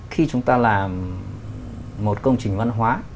khi chúng ta làm một công trình văn hóa